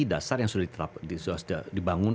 dasar yang sudah dibangun